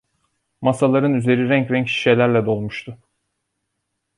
Masaların üzeri renk renk şişelerle dolmuştu.